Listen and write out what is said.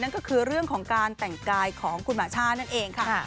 นั่นก็คือเรื่องของการแต่งกายของคุณหมาช่านั่นเองค่ะ